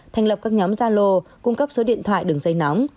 thành lập các nhóm gia lô cung cấp số điện thoại đường dây nóng